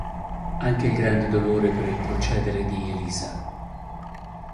Anche il grande dolore per il procedere di Elisa.